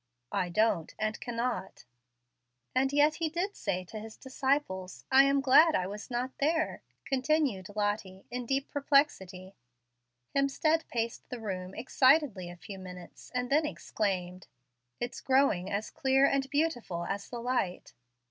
"I don't, and cannot." "And yet He did say to His disciples, 'I am glad I was not there,'" continued Lottie, in deep perplexity. Hemstead paced the room excitedly a few minutes, and then exclaimed, "It's growing as clear and beautiful as the light."